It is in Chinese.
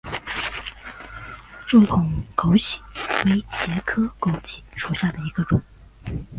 柱筒枸杞为茄科枸杞属下的一个种。